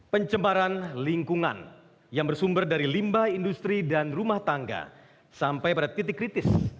pencembaran lingkungan yang bersumber dari limbah industri dan rumah tangga sampai pada titik kritis